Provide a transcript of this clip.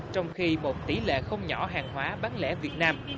trong khi một tỷ lệ không nhỏ hàng hóa bán lẻ việt nam